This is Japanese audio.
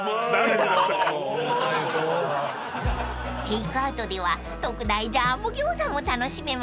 ［テークアウトでは特大ジャンボ餃子も楽しめます］